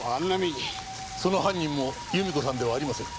その犯人も由美子さんではありません。